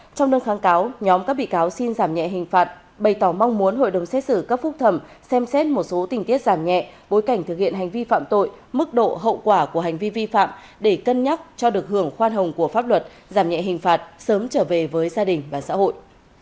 trong đơn kháng cáo nhóm các bị cáo xin giảm nhẹ hình phạt bày tỏ mong muốn hội đồng xét xử cấp phúc thẩm xem xét một số tình tiết giảm nhẹ bối cảnh thực hiện hành vi phạm tội mức độ hậu quả của hành vi vi phạm để cân nhắc cho được hưởng khoan hồng của pháp luật giảm nhẹ hình phạt sớm trở về với gia đình và xã hội